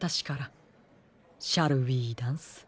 シャルウイダンス？